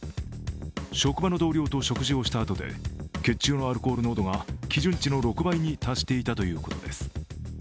職場の同僚と会食したあとで血中のアルコール濃度が基準値の６倍に達していたということです。